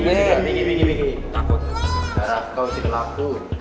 gara gara kau tidak laku